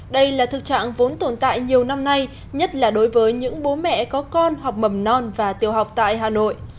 đây là thực trạng vốn tồn tại nhiều năm nay nhất là đối với những bố mẹ có con học mầm non và tiêu học tại hà nội